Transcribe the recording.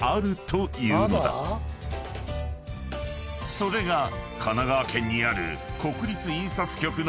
［それが神奈川県にある］